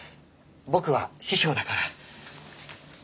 僕は師匠だから。